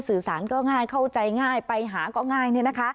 สื่อสารก็ง่ายเข้าใจง่ายไปหาก็ง่าย